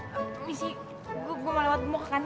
permisi gue mau lewat ke kantin